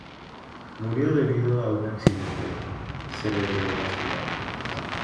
Murió debido a un accidente cerebrovascular.